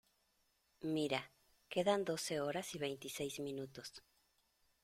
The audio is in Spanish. mira. quedan doce horas y veintiséis minutos